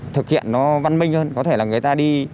thực hiện nó văn minh hơn có thể là người ta đi